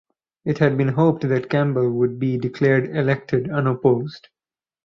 It had been hoped that Campbell would be declared elected unopposed.